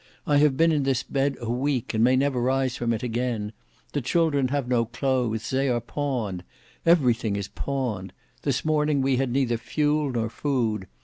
"I have been in this bed a week, and may never rise from it again; the children have no clothes; they are pawned; everything is pawned; this morning we had neither fuel, nor food.